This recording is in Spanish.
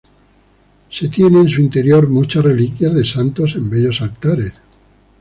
Se tiene en su interior muchas reliquias de santos, en bellos altares.